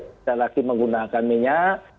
tidak lagi menggunakan minyak